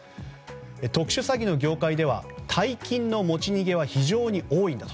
特殊詐欺の業界では、大金の持ち逃げは非常に多いんだと。